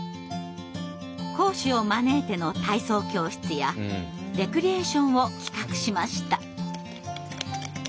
講師を招いての体操教室やレクリエーションを企画しました。